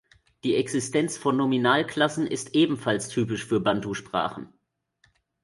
Die Existenz von Nominalklassen ist ebenfalls typisch für Bantusprachen.